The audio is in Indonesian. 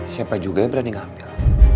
siapa juga yang berani ngambil